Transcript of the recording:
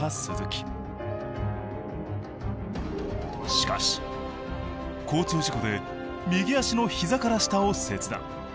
しかし交通事故で右足の膝から下を切断。